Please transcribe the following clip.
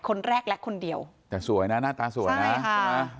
คนแรกและคนเดียวแต่สวยนะหน้าตาสวยนะใช่ไหม